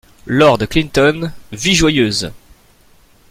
Lord Clinton Vie joyeuse !